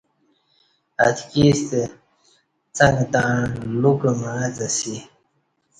اتکی ستہ څک تݩع لوکہ معݣڅہ اسی